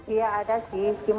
iya ada sih